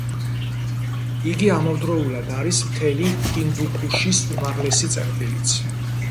იგი ამავდროულად არის მთელი ჰინდუქუშის უმაღლესი წერტილიც.